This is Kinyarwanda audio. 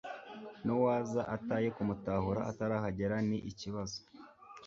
n'uwaza ataye kumutahura atarahagera ni ikibazo